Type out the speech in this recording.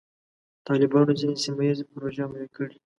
طالبانو ځینې سیمه ییزې پروژې عملي کړې.